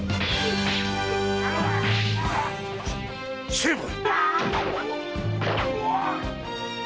成敗！